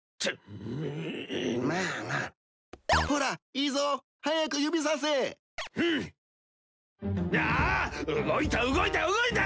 ああ動いた動いた動いた！